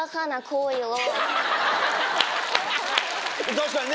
確かにね